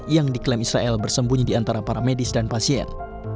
yang diklaim israel bersembunyi di antara para medis dan pasien